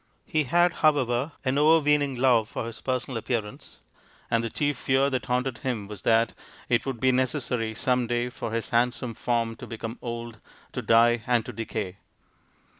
He had, however, an overweening love for his personal appearance, and the chief fear that haunted him was that it would be necessary some day for his handsome form to become old, to die and to decay.